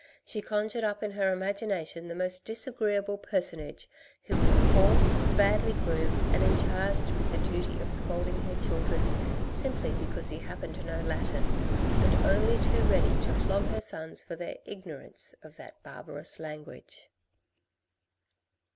She conjured up in her imagination the most disagreeable personage, who was coarse, badly groomed and encharged with the duty of scolding her children simply because he happened to know Latin, and only too ready to flog her sons for their ignorance of that barbarous language.